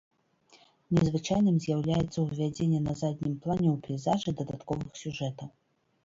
Незвычайным з'яўляецца ўвядзенне на заднім плане ў пейзажы дадатковых сюжэтаў.